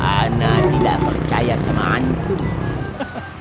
ana tidak percaya sama antum